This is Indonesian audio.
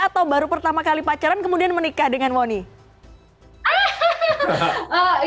atau baru pertama kali pacaran kemudian menikah dengan moni